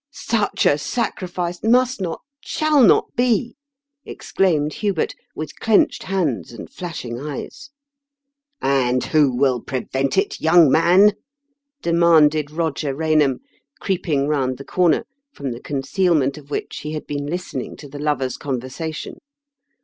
" Such a sacrifice must not — shall not be 1 " exclaimed Hubert, with clenched hands and fiashing eyes. " And who will prevent it, young man ?" demanded Koger Kainham, creeping round the comer, from the concealment of which he had been listening to the lovers' conversation.